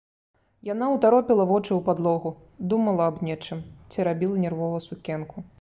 Яна ўтаропіла вочы ў падлогу, думала аб нечым, церабіла нервова сукенку.